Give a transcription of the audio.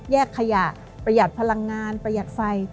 ขยะประหยัดพลังงานประหยัดไฟ